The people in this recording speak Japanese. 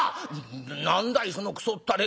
「何だいそのクソッタレ